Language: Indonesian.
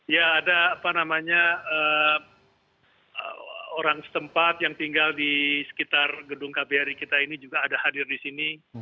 ya ada apa namanya orang setempat yang tinggal di sekitar gedung kbri kita ini juga ada hadir di sini